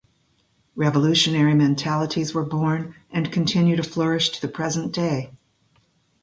Revolutionary mentalities were born and continue to flourish to the present day.